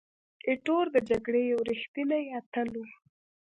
ایټور د جګړې یو ریښتینی اتل وو.